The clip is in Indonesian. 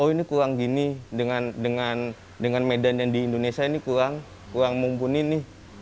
oh ini kurang gini dengan medan yang di indonesia ini kurang mumpuni nih